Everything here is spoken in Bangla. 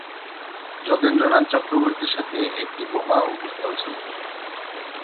যোগেন্দ্রনাথ চক্রবর্তীর সাথে একটি বোমা ও পিস্তল ছিলো।